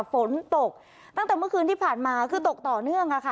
ฝนตกตั้งแต่เมื่อคืนที่ผ่านมาคือตกต่อเนื่องค่ะ